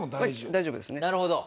大丈夫ですね。